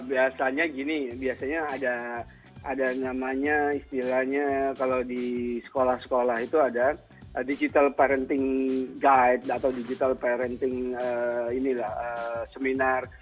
biasanya gini biasanya ada namanya istilahnya kalau di sekolah sekolah itu ada digital parenting guide atau digital parenting seminar